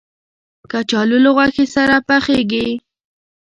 کچالو له غوښې سره پخېږي